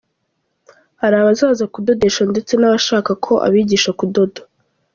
Hari abaza kudodesha ndetse n’abashaka ko abigisha kudoda.